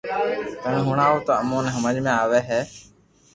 تمي ھڻاوہ تو امو ني ھمج ۾ آوي